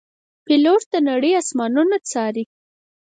پیلوټ د نړۍ آسمانونه څاري.